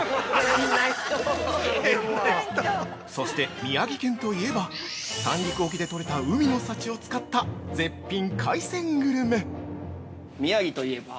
◆そして宮城県といえば、三陸沖でとれた海の幸を使った絶品海鮮グルメ！